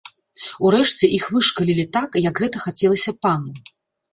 Урэшце іх вышкалілі так, як гэта хацелася пану.